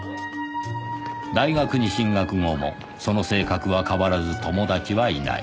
大学に進学後もその性格は変わらず友達はいない